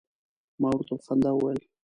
ما ورته په خندا وویل.